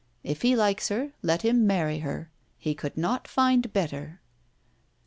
If he likes her, let him marry her; he could not find better."